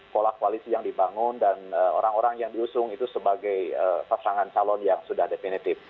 pola koalisi yang dibangun dan orang orang yang diusung itu sebagai pasangan calon yang sudah definitif